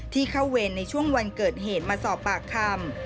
ที่เข้าเวรในช่วงวันเกิดเหตุมาสอบปากคำ